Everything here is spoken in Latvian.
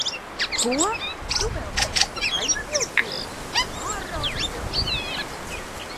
Ko? Tu vēl neesi aizvilcies? Ārā, diedelniek!